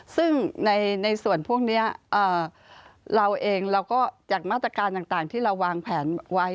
ซึ่งในส่วนพวกนี้เราเองเราก็จัดมาตรการต่างที่เราวางแผนไว้